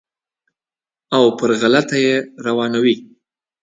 او پر غلطه یې روانوي.